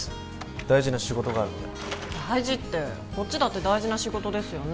大事な仕事があるので大事ってこっちだって大事な仕事ですよね